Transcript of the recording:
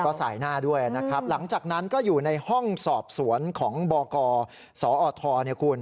ก็ใส่หน้าด้วยนะครับหลังจากนั้นก็อยู่ในห้องสอบสวนของบกสอทเนี่ยคุณ